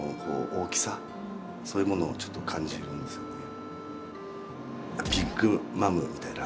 そういうものをちょっと感じるんですよね。